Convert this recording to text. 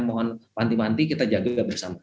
mohon panti panti kita jaga bersama